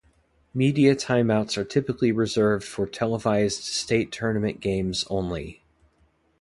Media timeouts are typically reserved for televised state tournament games only.